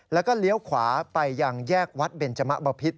แล้วก็เลี้ยวขวาไปยังแยกวัดเบนจมะบพิษ